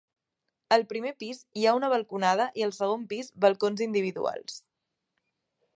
Al primer pis hi ha una balconada i al segon pis balcons individuals.